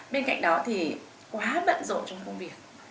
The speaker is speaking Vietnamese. bên cạnh đó thì quá bận rộn trong công việc